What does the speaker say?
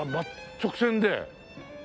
直線で。